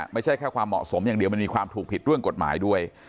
ไม่ใช่แค่ความเหมาะสมอย่างเดียวมันมีความถูกผิดเรื่องกฎหมายด้วย